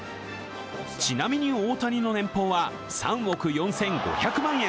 ちなみに大谷の年俸は３億４５００万円。